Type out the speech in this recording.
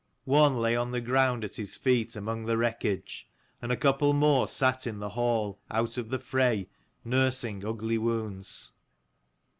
One lay on the ground at his feet among the wreckage : and a couple more sat in the hall, out of the fray, nursing ugly wounds.